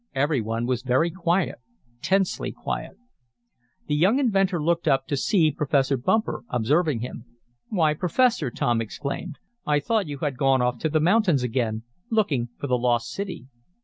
Every one was very quiet tensely quiet. The young inventor looked up to see Professor Bumper observing him. "Why, Professor!" Tom exclaimed, "I thought you had gone off to the mountains again, looking for the lost city."